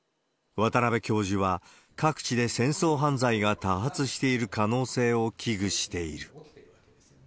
渡邉教授は、各地で戦争犯罪が多発している可能性を危惧している。